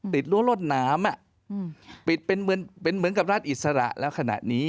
ติดรถน้ำเป็นเหมือนกับราชอิสระแล้วขนาดนี้